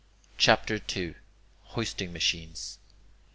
CHAPTER II HOISTING MACHINES 1.